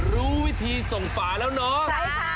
รู้วิธีส่งฝาแล้วเนาะ